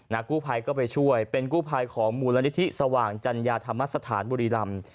กู้ภัยก็ไปช่วยเป็นกู้ภัยของมูลนิธิสว่างจัญญาธรรมสถานบุรีรำ